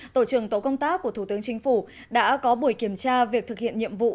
tổ trưởng tổ công tác của thủ tướng chính phủ đã có buổi kiểm tra việc thực hiện nhiệm vụ